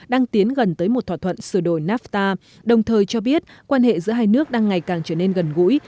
đang tiến gần tới một thỏa thuận sửa đổi nafta đồng thời cho biết quan hệ giữa hai nước đang ngày càng trở nên gần gũi